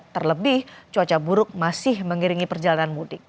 terlebih cuaca buruk masih mengiringi perjalanan mudik